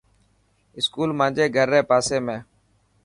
اسڪول مانجي گھر ري پاسي ۾.